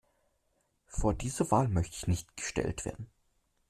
Vor diese Wahl möchte ich nicht gestellt werden.